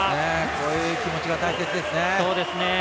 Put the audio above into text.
こういう気持ちが大切ですね。